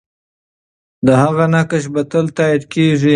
د هغې نقش به تل تایید کېږي.